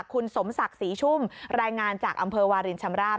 คุณสมศักดิ์ศรีชุ่มรายงานจากอำเภอวารินชำราบ